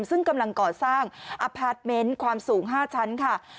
ซึ่งกำลังก่อสร้างอพาร์ทเมนต์ความสูง๕ชั้นค่ะ